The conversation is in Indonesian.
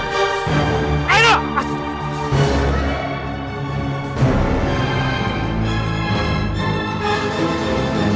jangan pake salmeng